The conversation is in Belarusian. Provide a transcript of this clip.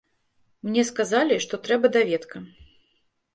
Мне сказалі, што трэба даведка.